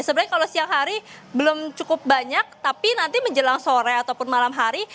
sebenarnya kalau siang hari belum cukup banyak tapi nanti menjelang sore ataupun malam hari